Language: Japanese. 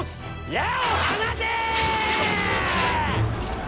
矢を放て！